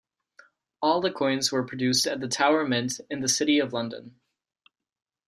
All the coins were produced at the Tower Mint in the City of London.